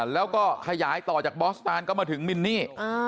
แล้วก็ขยายต่อจากบอสตานก็มาถึงมินนี่